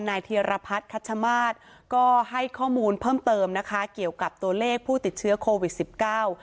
เทียรพัฒน์คัชมาศก็ให้ข้อมูลเพิ่มเติมนะคะเกี่ยวกับตัวเลขผู้ติดเชื้อโควิดสิบเก้า